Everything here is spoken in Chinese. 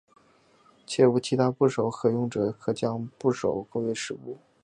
且无其他部首可用者将部首归为石部。